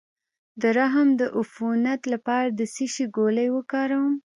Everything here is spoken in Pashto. د رحم د عفونت لپاره د څه شي ګولۍ وکاروم؟